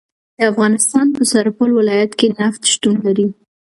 د افغانستان په سرپل ولایت کې نفت شتون لري